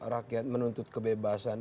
rakyat menuntut kebebasan